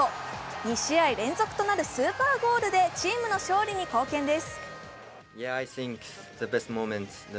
２試合連続となるスーパーゴールでチームの勝利に貢献です。